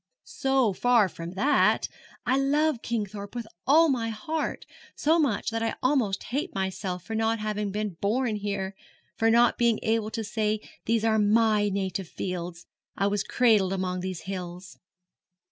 'So far from that, I love Kingthorpe with all my heart, so much that I almost hate myself for not having been born here, for not being able to say these are my native fields, I was cradled among these hills.'